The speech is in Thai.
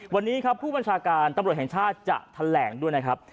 วันนี้ครับผู้บัญชาการตำรวจแห่งชาติจะแถลงด้วยนะครับ